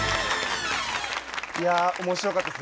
いや面白かったです。